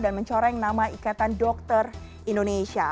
dan mencoreng nama ikatan dokter indonesia